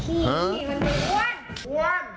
สาวสอนก็ไม่กลัวมาก